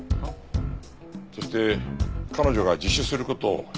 そして彼女が自首する事を知っていた。